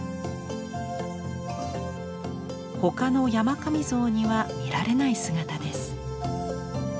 他の山神像には見られない姿です。